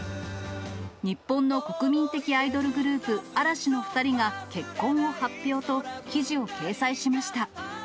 日本の国民的アイドルグループ、嵐の２人が結婚を発表と、記事を掲載しました。